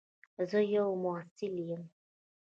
زه یو محصل یم.